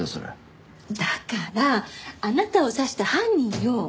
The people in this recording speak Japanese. だからあなたを刺した犯人よ。